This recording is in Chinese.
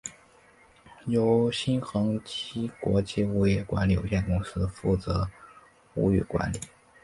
由新恒基国际物业管理有限公司负责屋邨管理。